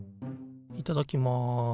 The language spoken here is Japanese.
いただきます。